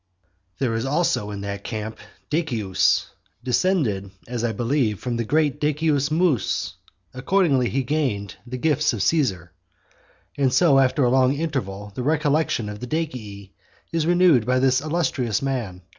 XIII. There is also in that camp Decius, descended, as I believe, from the great Decius Mus; accordingly he gained the gifts of Caesar. And so after a long interval the recollection of the Decii is renewed by this illustrious man.